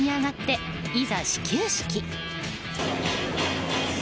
マウンドに上がっていざ始球式。